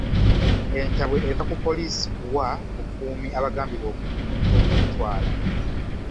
Entabwe eva ku poliisi kuwa bukuumi abagambibwa okulitwala